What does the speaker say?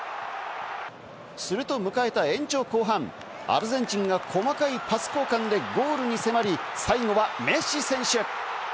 すると迎えた延長後半、アルゼンチンが細かいパス交換でゴールに迫り、最後はメッシ選手。